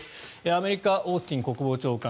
アメリカ、オースティン国防長官